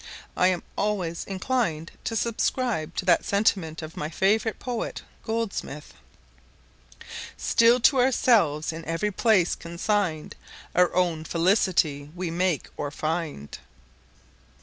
I am always inclined to subscribe to that sentiment of my favourite poet, Goldsmith, "Still to ourselves in every place consign'd, Our own felicity we make or find."